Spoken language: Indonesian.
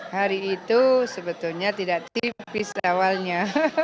hari itu sebetulnya tidak tipis awalnya